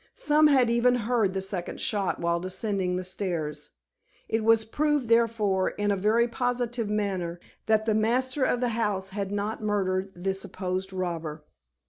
Some had even heard the second shot while descending the stairs. It was proved, therefore, in a very positive manner, that the master of the house had not murdered the supposed robber.